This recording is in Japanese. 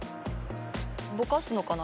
ぼかすのかな？